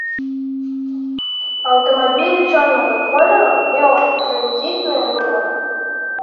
Аўтамабіль чорнага колеру меў транзітныя нумары.